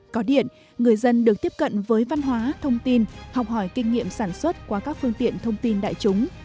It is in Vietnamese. có điện người dân được tiếp cận với văn hóa thông tin học hỏi kinh nghiệm sản xuất qua các phương tiện thông tin đại chúng